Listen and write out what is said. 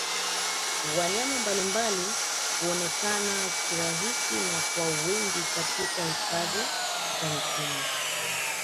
Wanyama mbalimbali huonekana kirahisi na kwa wingi Katika Hifadhi ya Mikumi